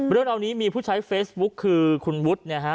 เรื่องราวนี้มีผู้ใช้เฟซบุ๊คคือคุณวุฒินะฮะ